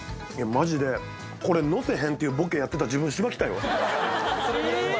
マジでこれのせへんっていうボケやってた自分しばきたいわそれぐらいうまい？